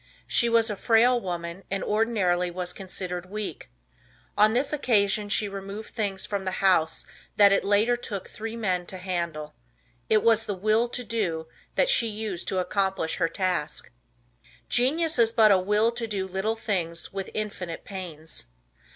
She was a frail woman, and ordinarily was considered weak. On this occasion she removed things from the house that it later took three men to handle. It was the "Will To Do" that she used to accomplish her task. Genius Is But A Will To Do Little Things With Infinite Pains.